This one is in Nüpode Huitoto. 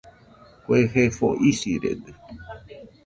Kue jefo isirede